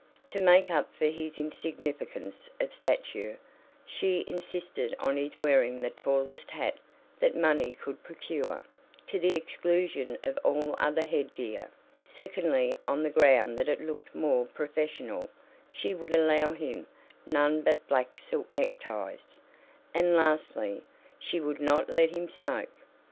To make up for his insignificance of stature, she insisted on his wearing the tallest hat that money could procure, to the exclusion of all other head gear; secondly, on the ground that it looked more "professional," she would allow him none but black silk neckties; and lastly, she would not let him smoke.